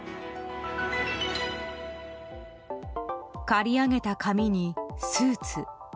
刈り上げた髪にスーツ。